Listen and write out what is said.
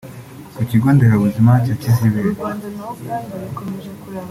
Ku kigo nderabuzima cya Kizibere